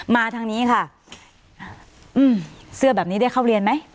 มาทางนี้ค่ะอืมเสื้อแบบนี้ได้เข้าเรียนไหม